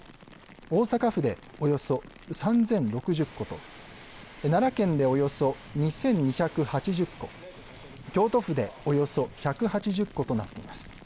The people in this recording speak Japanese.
大阪府でおよそ３０６０戸と奈良県でおよそ２２８０戸、京都府でおよそ１８０戸となっています。